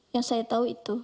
yang saya tahu itu